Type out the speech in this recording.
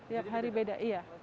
tiap hari beda iya